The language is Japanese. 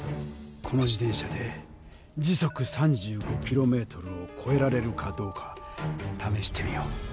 この自転車で時速３５キロメートルをこえられるかどうかためしてみよう。